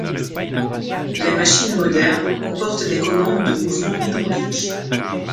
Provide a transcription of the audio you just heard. Les machines modernes comportent des commandes de mouvement hydrauliques.